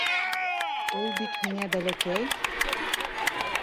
Ул бит һиңә бәләкәй!